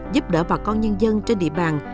giúp đỡ bà con nhân dân trên địa bàn